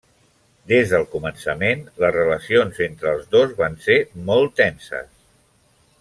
Des del començament, les relacions entre els dos van ser molt tenses.